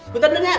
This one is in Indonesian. bentar bentar ya